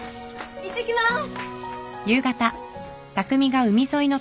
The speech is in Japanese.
いってきます。